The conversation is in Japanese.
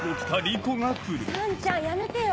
さんちゃんやめてよ。